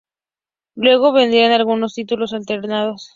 Luego vendrían algunos títulos alternados.